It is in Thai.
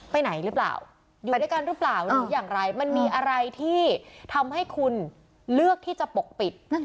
ไปไหนหรือเปล่าอยู่ด้วยกันหรือเปล่าหรืออย่างไรมันมีอะไรที่ทำให้คุณเลือกที่จะปกปิด